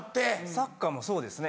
サッカーもそうですね。